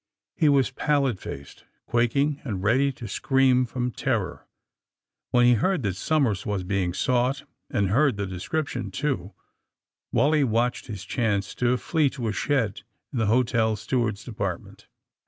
He was pallid faced, quaking and ready to scream, from terror. When he heard that Somers was being sought, and heard the description, too, Wally watched his chance to flee to a shed in the hotel steward's depart ment.